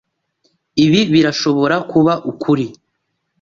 Ibi birashobora kuba ukuri.